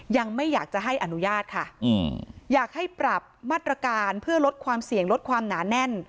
ยังไม่อยากจะให้อนุญาตค่ะอยากให้ปรับมาตรการเพื่อลดความเสี่ยงลดความหนาแน่น